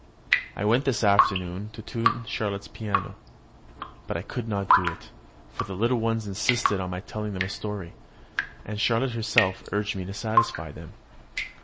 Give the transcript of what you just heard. I went this afternoon to tune Charlotte's piano. But I could not do it, for the little ones insisted on my telling them a story; and Charlotte herself urged me to satisfy them.